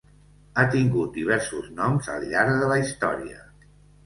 Ha tingut diversos noms al llarg de la història.